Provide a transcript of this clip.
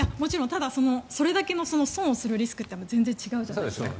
ただ、それだけの損をするリスクは全然違うじゃないですか。